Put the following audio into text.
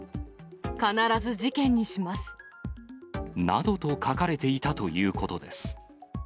必ず事件にします。などと書かれていたということです。